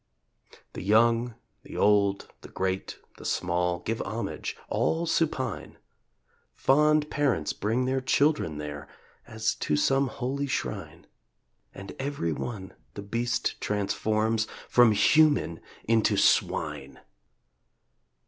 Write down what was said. The young, the old, the great, the small Give homage all supine. Fond parents bring their children there As to some holy shrine. And every one the Beast transforms From human into swine!